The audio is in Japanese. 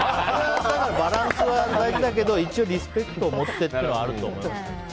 バランスは大事だけど一応リスペクトを持ってというのはあると思う。